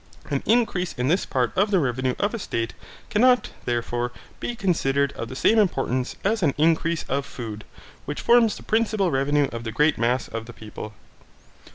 An increase in this part of the revenue of a state, cannot, therefore, be considered of the same importance as an increase of food, which forms the principal revenue of the great mass of the people.